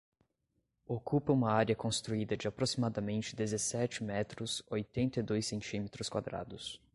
Ocupa uma área construída de aproximadamente dezessete metros, oitenta e dois centímetros quadrados.